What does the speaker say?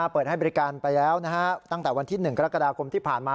เปิดให้บริการไปแล้วตั้งแต่วันที่๑กรกฎาคมที่ผ่านมา